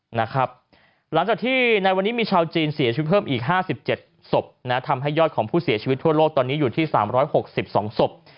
หลังจากที่ในวันนี้มีชาวจีนเสียชีวิตเพิ่มอีก๕๗ศพทำให้ยอดของผู้เสียชีวิตทั่วโลกตอนนี้อยู่ที่๓๖๒ศพ